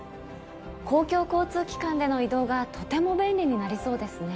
公共交通機関での移動がとても便利になりそうですね。